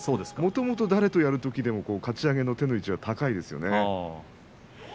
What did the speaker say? もともと誰とやるときでもかち上げの手の位置が高いですよね。